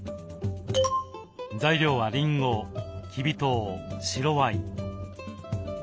材料はりんごきび糖白ワイン。